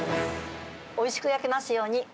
おいしく焼けますように。